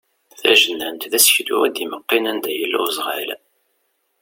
Tajnant d aseklu i d-imeqqin anda yella uzɣal.